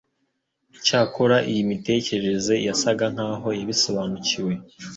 Icyakora iyi mitekerereze yasaga nkaho yabisobanukiwe